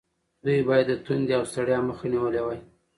دوی باید د تندې او ستړیا مخه نیولې وای.